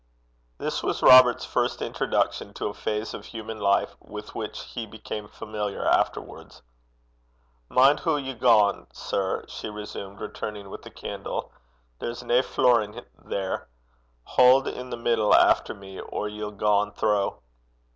This was Robert's first introduction to a phase of human life with which he became familiar afterwards. 'Mind hoo ye gang, sir,' she resumed, returning with a candle. 'There's nae flurin' there. Haud i' the middle efter me, or ye'll gang throu.'